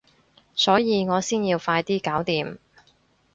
所以我先要快啲搞掂